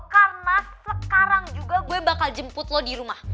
karena sekarang juga gue bakal jemput lo di rumah